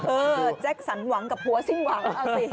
แจ็คสันหวังกับผัวสิ้นหวังเอาสิ